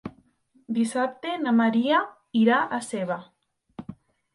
Dissabte na Maria irà a Seva.